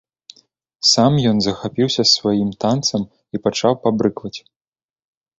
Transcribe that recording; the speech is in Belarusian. Сам ён захапіўся сваім танцам і пачаў пабрыкваць.